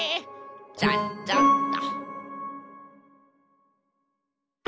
ちゃんちゃんっと。